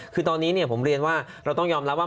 คือตอนนี้ผมเรียนว่าเราต้องยอมรับว่า